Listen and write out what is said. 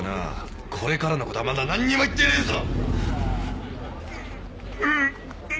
これからのことはまだ何にも言ってねえぞ。